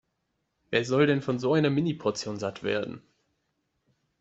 Wer soll denn von so einer Mini-Portion satt werden?